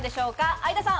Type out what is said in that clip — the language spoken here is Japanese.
相田さん。